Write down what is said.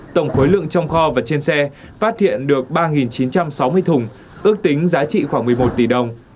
tổng khối lượng trong kho và trên xe phát hiện được ba chín trăm sáu mươi thùng ước tính giá trị khoảng một mươi một tỷ đồng